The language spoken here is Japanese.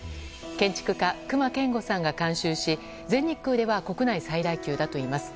建築家・隈研吾さんが監修し全日空では国内最大級だといいます。